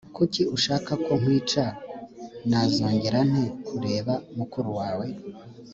kuki ushaka ko nkwica nazongera nte kureba mukuru wawe